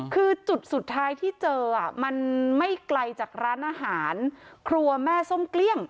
คือจุดสุดท้ายที่เจอมันไม่ไกลจากร้านอาหารครัวแม่ส้มเกลี้ยง